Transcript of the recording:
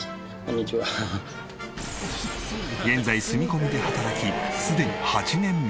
現在住み込みで働きすでに８年目。